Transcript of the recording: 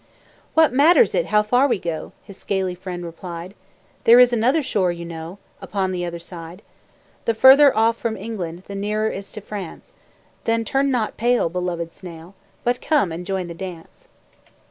"What matters it how far we go?" His scaly friend replied, "There is another shore you know, Upon the other side. The further off from England The nearer is to France; Then turn not pale, beloved snail, But come and join the dance."